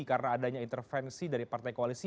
karena adanya intervensi dari partai koalisi